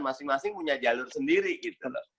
masing masing punya jalur sendiri gitu loh